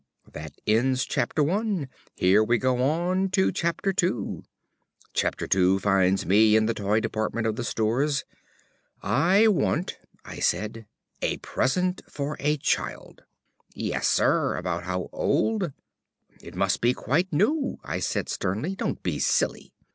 ~ That ends Chapter I. Here we go on to II Chapter II finds me in the Toy Department of the Stores. "I want," I said, "a present for a child." "Yes, sir. About how old?" "It must be quite new," I said sternly. "Don't be silly.